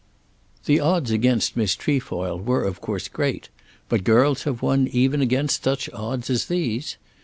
The odds against Miss Trefoil were of course great; but girls have won even against such odds as these.